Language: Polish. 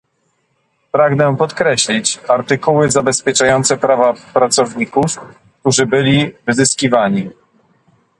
Pragnę podkreślić artykuły zabezpieczające prawa pracowników, którzy byli wyzyskiwani